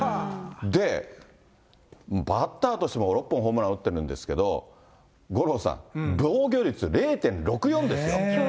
で、バッターとしても６本ホームラン打ってるんですけど、五郎さん、防御率０．６４ですよ。